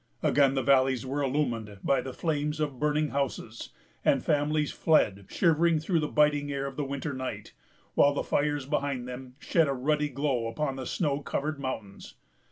Again the valleys were illumined by the flames of burning houses, and families fled shivering through the biting air of the winter night, while the fires behind them shed a ruddy glow upon the snow covered mountains.